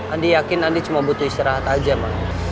andi yakin andi cuma butuh istirahat aja mah